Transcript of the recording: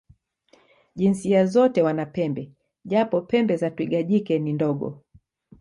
Jinsia zote wana pembe, japo pembe za twiga jike ni ndogo.